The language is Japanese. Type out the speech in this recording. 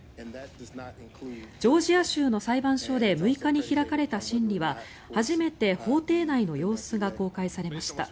ジョージア州の裁判所で６日に開かれた審理は初めて法廷内の様子が公開されました。